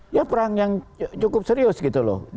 ya perang yang cukup serius gitu loh